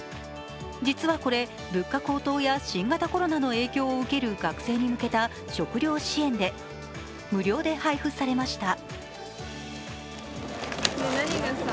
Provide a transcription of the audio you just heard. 実はこれ、物価高騰や新型コロナの影響を受ける学生に向けた食料支援で、無料で配布されました。